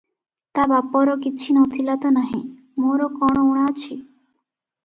ତା ବାପର କିଛି ନ ଥିଲା ତ ନାହିଁ, ମୋର କଣ ଉଣା ଅଛି?